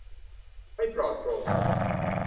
ไม่ปลอดโปร่ง